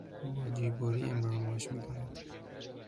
او با جیببری امرار معاش میکند.